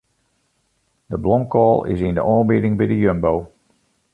De blomkoal is yn de oanbieding by de Jumbo.